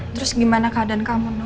terus gimana keadaan kamu